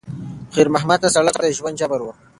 خیر محمد ته سړک د ژوند جبر و.